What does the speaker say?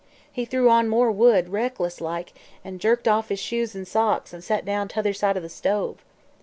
He threw on more wood, reckless like, an' jerked off his shoes an' socks an' set down t'other side the stove.